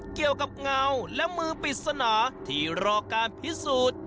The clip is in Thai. เงาและมือปริศนาที่รอการพิสูจน์